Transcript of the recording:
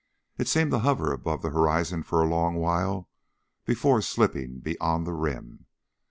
It seemed to hover above the horizon for a long while before slipping beyond the rim.